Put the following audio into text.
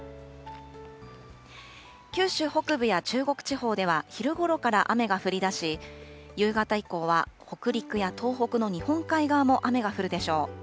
九州北部や中国地方では昼ごろから雨が降りだし、夕方以降は北陸や東北の日本海側も雨が降るでしょう。